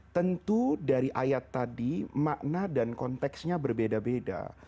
tentu dari ayat tadi makna dan konteksnya berbeda beda